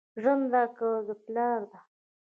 ژرنده که د پلار ده